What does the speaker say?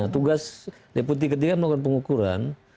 tugas deputi ketiga melakukan pengukuran